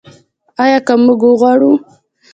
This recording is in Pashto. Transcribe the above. آیا که موږ وغواړو؟